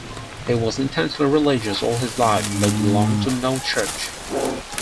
He was intensely religious all his life, but belonged to no church.